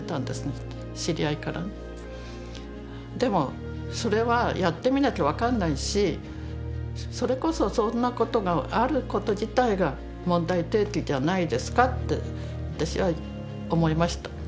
でもそれはやってみなきゃ分かんないしそれこそそんなことがあること自体が問題提起じゃないですかって私は思いました。